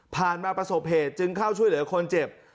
ประสบมาประสบเหตุจึงเข้าช่วยเหลือคนเจ็บ